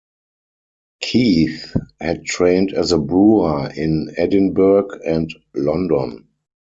Keith had trained as a brewer in Edinburgh and London.